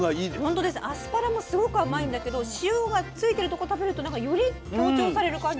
アスパラもすごく甘いんだけど塩がついてるとこ食べるとなんかより強調される感じ。